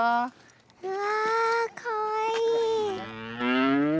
うわかわいい。